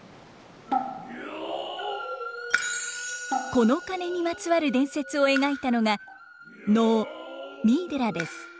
この鐘にまつわる伝説を描いたのが能「三井寺」です。